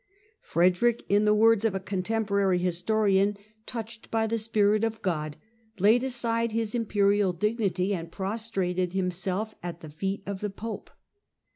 Frederick, in the words of a contemporary historian, " touched by the Spirit of God, laid aside his imperial dignity, and prostrated himself at the feet of the Pope."